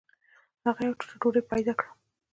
هغه یوه ټوټه ډوډۍ پیدا کړه.